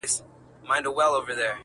o د مقدسي فلسفې د پيلولو په نيت.